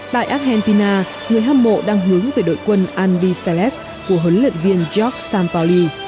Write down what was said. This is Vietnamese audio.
tại argentina người hâm mộ đang hướng về đội quân albi celeste của huấn luyện viên jacques sampaoli